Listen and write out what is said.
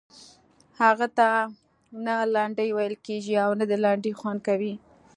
هغه ته نه لنډۍ ویل کیږي او نه د لنډۍ خوند کوي.